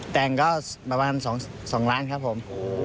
แต่งก็ประมาณ๒ล้านครับผม